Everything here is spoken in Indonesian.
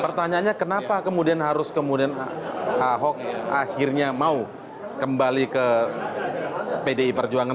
pertanyaannya kenapa kemudian harus kemudian ahok akhirnya mau kembali ke pdi perjuangan